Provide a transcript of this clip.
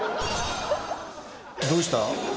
どうした？